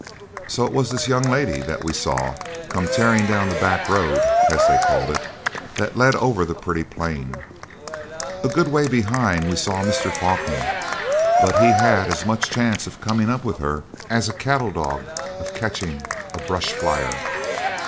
So it was this young lady that we saw coming tearing down the back road, as they called it, that led over the Pretty Plain. A good way behind we saw Mr. Falkland, but he had as much chance of coming up with her as a cattle dog of catching a 'brush flyer'.